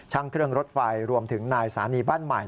ช่างเครื่องรถไฟรวมถึงนายสานีบ้านใหม่